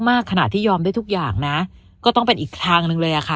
มากขนาดที่ยอมได้ทุกอย่างนะก็ต้องเป็นอีกทางหนึ่งเลยอะค่ะ